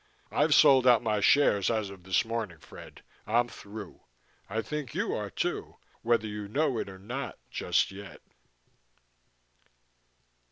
I've sold out my shares as of this morning, Fred. I'm through. I think you are, too whether you know it or not just yet.